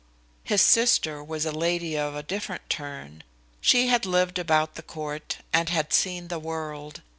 His sister was a lady of a different turn. She had lived about the court, and had seen the world.